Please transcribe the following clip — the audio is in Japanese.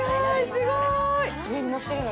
すごーい。